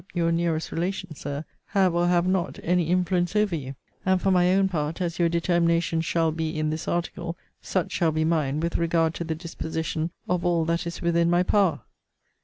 (your nearest relations, Sir,) have, or have not, any influence over you. And, for my own part, as your determination shall be in this article, such shall be mine, with regard to the disposition of all that is within my power.